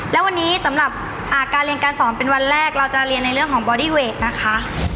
และวันนี้สำหรับการเรียนการสอนเป็นวันแรกเราจะเรียนในเรื่องของบอดี้เวทนะคะ